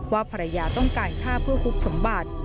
ว่าภรรยาต้องการฆ่าเพื่อคุบสมบัติ